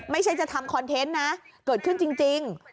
ไม่ใช่จะทำคอนเทนต์นะเกิดขึ้นจริง